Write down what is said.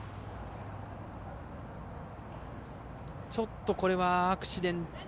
ちょっと、これはアクシデント。